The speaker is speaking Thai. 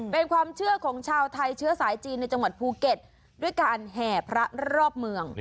เป็นความเชื่อของชาวไทยเชื้อสายจีนในจังหวัดภูเก็ตด้วยการแห่พระรอบเมือง